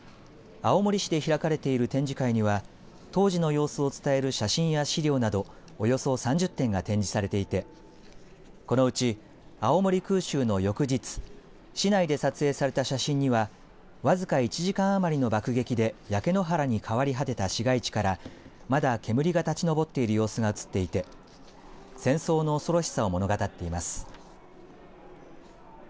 青森市で開かれいている展示会には当時の様子を伝える写真や資料などおよそ３０点が展示されていてこのうち青森空襲の翌日市内で撮影された写真には僅か１時間余りの爆撃で焼け野原に変わり果てた市街地からまだ煙が立ち上っている様子が写っていて戦争の恐ろしさを物語っています。